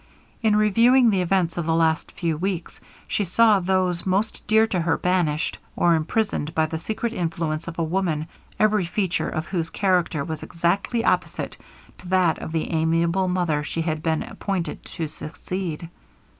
In reviewing the events of the last few weeks, she saw those most dear to her banished, or imprisoned by the secret influence of a woman, every feature of whose character was exactly opposite to that of the amiable mother she had been appointed to succeed.